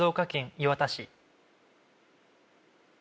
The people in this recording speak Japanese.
磐田市